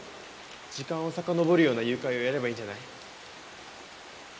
時間をさかのぼるような誘拐をやればいいんじゃない？